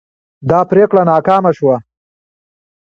دا پریکړه ناکامه شوه.